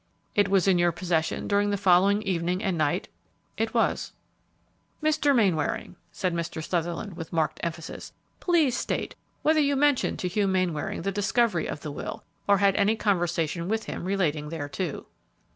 "It was in your possession during the following evening and night?" "It was." "Mr. Mainwaring," said Mr. Sutherland, with marked emphasis, "please state whether you mentioned to Hugh Mainwaring the discovery of the will, or had any conversation with him relating thereto."